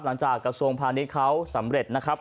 กระทรวงพาณิชย์เขาสำเร็จนะครับ